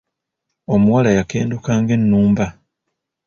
Omuwala yakenduka nga Ennumba.